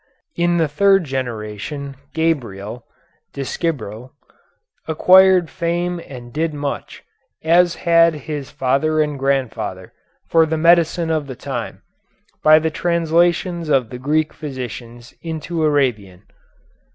In the third generation Gabriel (Dschibril) acquired fame and did much, as had his father and grandfather, for the medicine of the time, by translations of the Greek physicians into Arabian.